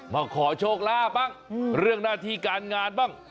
มาขอโชคลาภบ้างเรื่องหน้าที่การงานบ้าง